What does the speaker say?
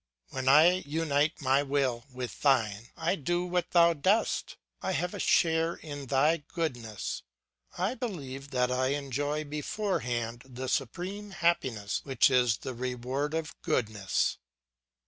When I unite my will with thine, I do what thou doest; I have a share in thy goodness; I believe that I enjoy beforehand the supreme happiness which is the reward of goodness.